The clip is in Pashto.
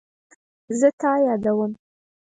زه تا یادوم